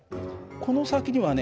この先にね